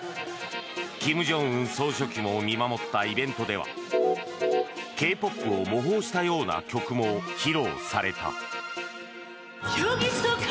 金正恩総書記も見守ったイベントではＫ−ＰＯＰを模倣したような曲も披露された。